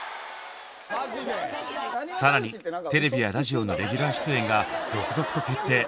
更にテレビやラジオのレギュラー出演が続々と決定。